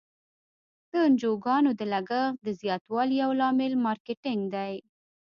د انجوګانو د لګښت د زیاتوالي یو لامل مارکیټینګ دی.